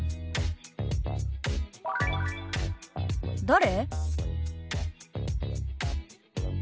「誰？」。